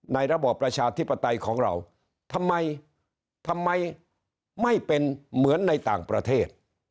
ระบอบประชาธิปไตยของเราทำไมทำไมไม่เป็นเหมือนในต่างประเทศ